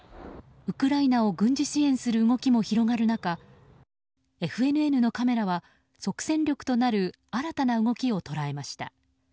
ウクライナを軍事支援する動きも広がる中ＦＮＮのカメラは即戦力となる新たな動きを捉えました。